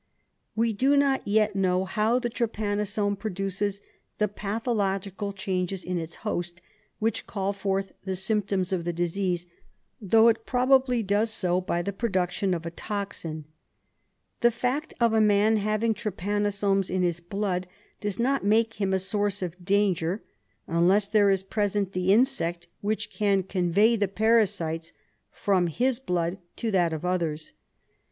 We do not yet know how the trypanosome produces the pathological changes in its host which call forth the symp toms of the disease, though it probably does so by the production of a toxin. The fact of a man having trypanosomes in his blood does not make him a source of danger unless there is present the insect which can convey the parasites from his blood to that of others.